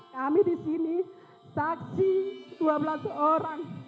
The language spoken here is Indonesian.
kami di sini saksi dua belas orang